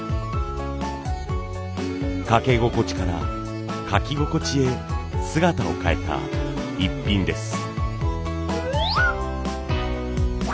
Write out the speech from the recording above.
かけ心地からかき心地へ姿を変えたイッピンです。